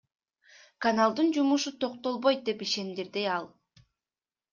Каналдын жумушу токтобойт, — деп ишендирди ал.